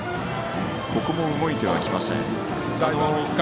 ここも動いてきません。